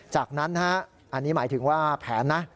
จากนั้นอันนี้หมายถึงว่าแผนนะ